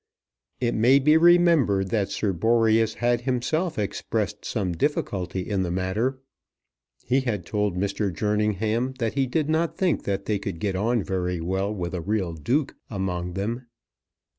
It may be remembered that Sir Boreas had himself expressed some difficulty in the matter. He had told Mr. Jerningham that he did not think that they could get on very well with a real Duke among them.